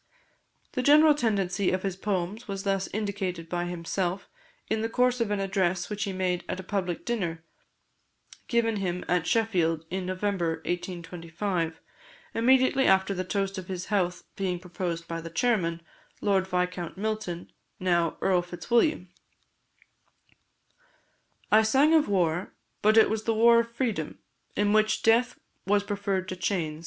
The general tendency of his poems was thus indicated by himself, in the course of an address which he made at a public dinner, given him at Sheffield, in November 1825, immediately after the toast of his health being proposed by the chairman, Lord Viscount Milton, now Earl Fitzwilliam: "I sang of war but it was the war of freedom, in which death was preferred to chains.